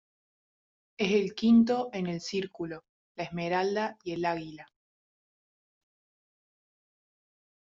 Es el quinto en el círculo, la esmeralda y el águila.